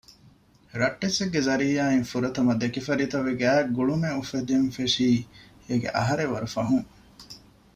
ރައްޓެއްސެއްގެ ޒަރީޢާއިން ފުރަތަމަ ދެކިފަރިތަވެ ގާތް ގުޅުމެއް އުފެދެން ފެށީ އޭގެ އަހަރެއް ވަރު ފަހުން